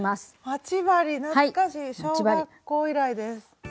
待ち針懐かしい小学校以来です。